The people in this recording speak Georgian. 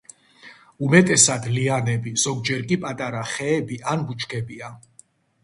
უმეტესად ლიანები, ზოგჯერ კი პატარა ხეები ან ბუჩქებია.